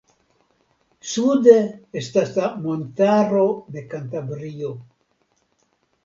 Sude estas la Montaro de Kantabrio.